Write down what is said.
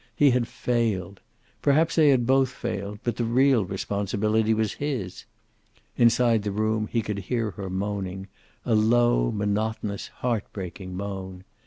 He had failed. Perhaps they had both failed, but the real responsibility was his. Inside the room he could hear her moaning, a low, monotonous, heart breaking moan.